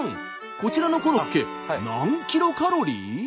こちらのコロッケ何キロカロリー？